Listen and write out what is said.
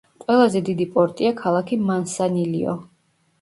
ყველაზე დიდი პორტია ქალაქი მანსანილიო.